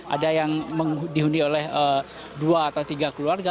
ada yang dihuni oleh dua atau tiga keluarga